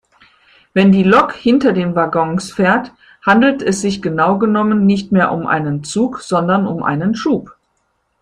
Wenn die Lok hinter den Waggons fährt, handelt es sich genau genommen nicht mehr um einen Zug sondern um einen Schub.